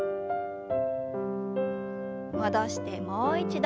戻してもう一度。